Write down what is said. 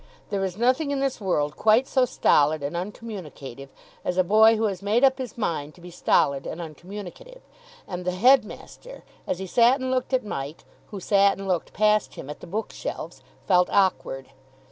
There is nothing in this world quite so stolid and uncommunicative as a boy who has made up his mind to be stolid and uncommunicative; and the headmaster, as he sat and looked at Mike, who sat and looked past him at the bookshelves, felt awkward.